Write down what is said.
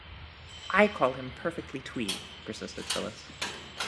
‘I call him perfectly twee!’ persisted Phyllis.